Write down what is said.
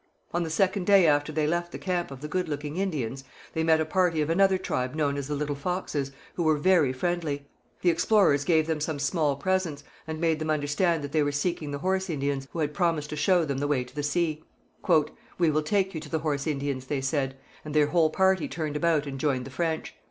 On the second day after they left the camp of the Good looking Indians, they met a party of another tribe known as the Little Foxes, who were very friendly. The explorers gave them some small presents, and made them understand that they were seeking the Horse Indians, who had promised to show them the way to the sea. 'We will take you to the Horse Indians,' they said, and their whole party turned about and joined the French.